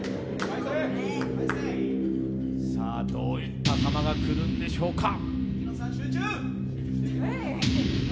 どういった球が来るんでしょうか。